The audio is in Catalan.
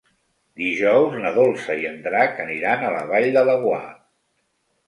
Dijous na Dolça i en Drac aniran a la Vall de Laguar.